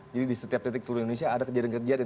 jadi di setiap titik seluruh indonesia ada kejadian kejadian